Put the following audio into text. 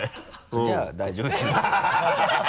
じゃあ大丈夫です